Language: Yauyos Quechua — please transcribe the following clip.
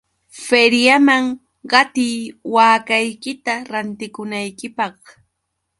Feriaman qatiy waakaykita rantikunaykipaq.